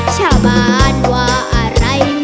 ชะบานว่าอะไรมัน